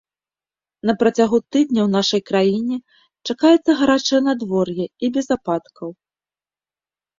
На працягу тыдня ў нашай краіне чакаецца гарачае надвор'е і без ападкаў.